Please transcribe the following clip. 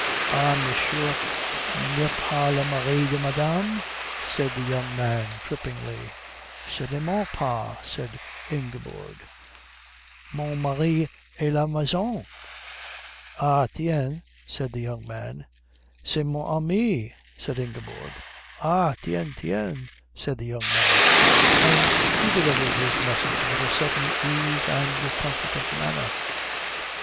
"Ah Monsieur n'est pas le mari de Madame," said the young man trippingly. "Certainement pas," said Ingeborg. "Mon mari est à la maison." "Ah tiens," said the young man. "C'est mon ami," said Ingeborg. "Ah tiens, tiens," said the young man; and he delivered his message with a sudden ease and comfort of manner.